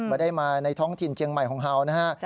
ไม่ได้มาในท้องถิ่นเจียงใหม่ของเฮาวนะฮะ